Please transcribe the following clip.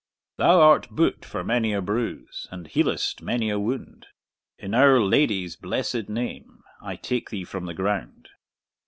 Thou art boot for many a bruise, And healest many a wound; In our Lady's blessed name, I take thee from the ground.